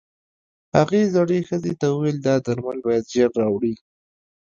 هغې زړې ښځې ته وويل دا درمل بايد ژر راوړې.